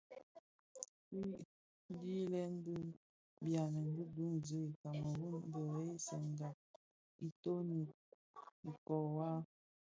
Kidhilè, bi byamèn bi duňzi i Kameru bë ghèsènga itoni ikōō waa.